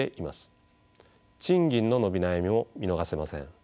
賃金の伸び悩みも見逃せません。